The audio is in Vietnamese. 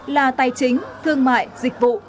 là tài chính thương mại dịch vụ